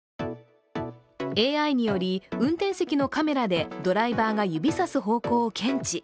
ＡＩにより、運転席のカメラでドライバーが指さす方向を検知。